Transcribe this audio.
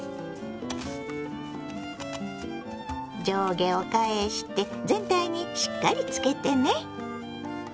上下を返して全体にしっかりつけてね。